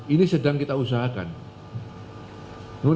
ini sedang kita usahakan